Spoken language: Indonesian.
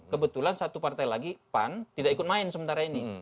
kebetulan satu partai lagi pan tidak ikut main sementara ini